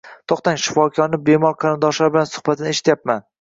To`xtang, shifokorning bemor qarindoshlari bilan suhbatini eshityapman